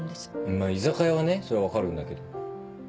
まぁ居酒屋はねそれは分かるんだけど。